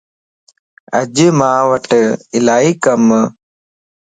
اڄ مانوٽ الائي ڪمَ